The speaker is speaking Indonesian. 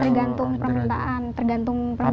tergantung permintaan tergantung permintaan